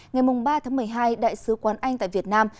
ngày ba tháng một mươi hai đại sứ quán anh tại việt nam